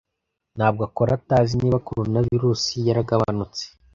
Ntabwo akora atazi niba Coronavirus yaragabanutse.